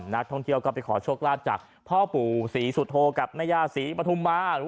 นักท่องเที่ยวก็ไปขอโชคลาภจากพ่อปู่ศรีสุโธกับแม่ย่าศรีปฐุมมา